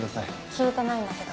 聞いてないんだけど。